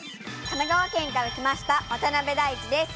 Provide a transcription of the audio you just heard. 神奈川県から来ました渡辺大馳です。